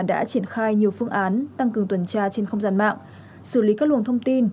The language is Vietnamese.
đã triển khai nhiều phương án tăng cường tuần tra trên không gian mạng xử lý các luồng thông tin